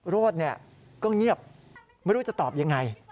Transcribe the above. โรธก็เงียบไม่รู้จะตอบยังไง